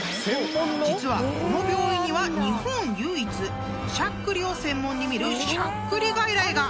実はこの病院には日本唯一しゃっくりを専門に診るしゃっくり外来が！］